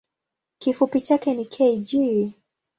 Kifupi chake ni kg.